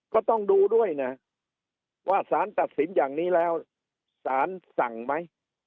ก็ต้องดูด้วยนะว่าสารตัดสินอย่างนี้แล้วสารสั่งไหม